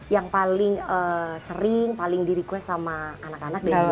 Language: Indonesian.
yang paling sering paling di request sama anak anak dan juga